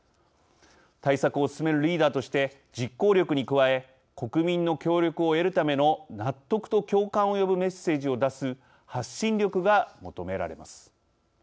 対策を進めるリーダーとして実行力に加え国民の協力を得るための納得と共感を呼ぶメッセージを出す発信力が求められます。